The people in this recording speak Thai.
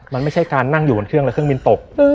มันไม่ใช่การนั่งอยู่บนเครื่องแล้วเครื่องบินตก